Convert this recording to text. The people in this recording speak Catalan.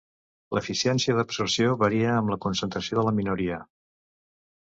L'eficiència d'absorció varia amb la concentració de la minoria.